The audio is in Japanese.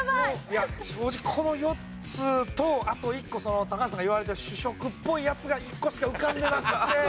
正直この４つとあと１個高橋さんが言われてた主食っぽいやつが１個しか浮かんでなくって。